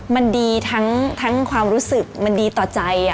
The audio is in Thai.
มันดีทั้งความรู้สึกมันดีต่อใจ